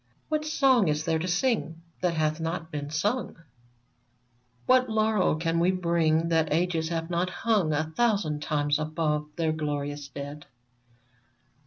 What song is there to sing That hath not oft been sung ? VERMONT 115 What laurel can we bring That ages have not hung A thousand times above their glorious dead